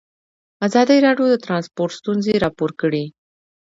ازادي راډیو د ترانسپورټ ستونزې راپور کړي.